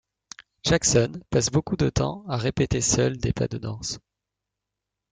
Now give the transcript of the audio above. Jackson passe beaucoup de temps à répéter seul des pas de danse.